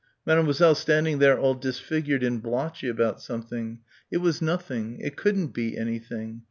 Mademoiselle, standing there all disfigured and blotchy about something ... it was nothing ... it couldn't be anything....